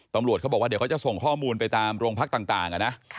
ตำรวจเขาบอกว่าเดี๋ยวเขาจะส่งข้อมูลไปตามโรงพักต่างนะ